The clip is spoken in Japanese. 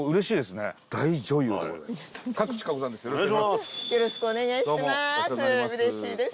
よろしくお願いします。